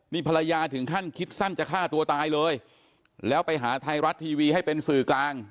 นี่ภรรยาถึงขั้นคิดสั้นจะฆ่าตัวตายเลยแล้วไปหาไทยรัฐทีวีให้เป็นสื่อกลาง